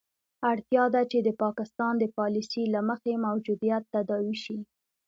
اړتیا ده چې د پاکستان د پالیسي له مخې موجودیت تداوي شي.